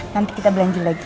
nanti kita belanji lagi